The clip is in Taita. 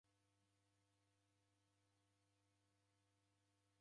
W'ekotelwa marina ghawo